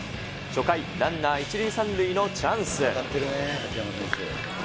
初回、ランナー１塁３塁のチャンス。